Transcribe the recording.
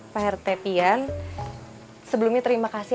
pak rt pian sebelumnya terima kasih